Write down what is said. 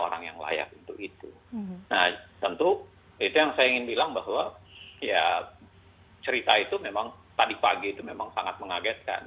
orang yang layak untuk itu nah tentu itu yang saya ingin bilang bahwa ya cerita itu memang tadi pagi itu memang sangat mengagetkan